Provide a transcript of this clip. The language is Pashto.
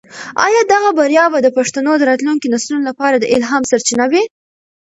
آیا دغه بریا به د پښتنو د راتلونکي نسلونو لپاره د الهام سرچینه وي؟